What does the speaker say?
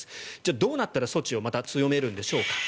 どうなったら措置を強めるんでしょうか。